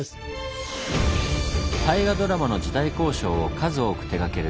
大河ドラマの時代考証を数多く手がける